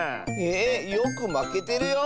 えよくまけてるよ。